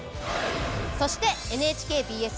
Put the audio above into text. そしてＮＨＫＢＳ